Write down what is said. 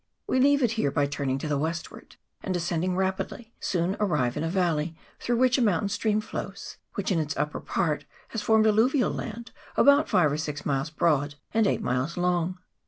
We leave it here by turning to the westward, and, descending rapidly, soon arrive in a valley, through which a mountain stream flows, which in its upper part has formed alluvial land about five or six miles broad and eight miles long.